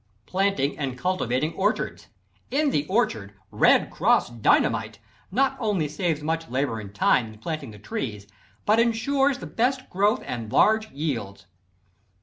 Planting and Cultivating Orchards. In the orchard "Red Cross" Dynamite not only saves much labor and time in planting the trees, but ensures the best growth and large yields.